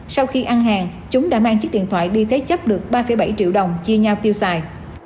sau khi ăn hàng chúng đã mang chiếc điện thoại đi thế chấp được ba bảy triệu đồng chia nhau tiêu xài